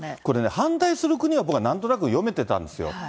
これね、反対する国は僕はなんとなく読めてたんですよ。